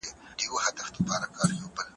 ستا د خنداوو ټنگ ټکور، په سړي خوله لگوي